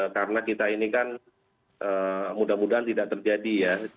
karena kita ini kan mudah mudahan tidak terjadi ya